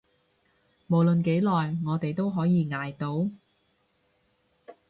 無論幾耐，我哋都可以捱到